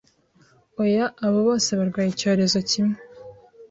Oya abo bose barwaye icyorezo kimwe